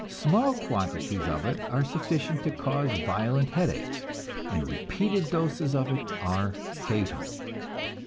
Small quantities of it are sufficient to cause violent headaches, and repeated doses of it are fatal.